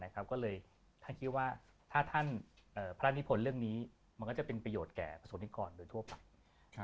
ก็เลยท่านคิดว่าถ้าท่านพระราชนิพลเรื่องนี้มันก็จะเป็นประโยชน์แก่ประสงค์นิกรโดยทั่วไป